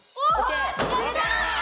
おっ！